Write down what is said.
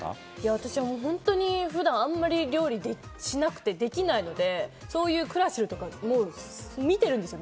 私、本当に普段あんまり料理しなくて、できないので、そういうクラシルとか、めちゃくちゃ見てるんですよ。